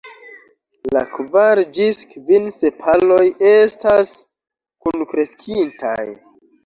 La kvar ĝis kvin sepaloj estas kunkreskintaj.